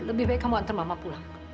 lebih baik kamu antar mama pulang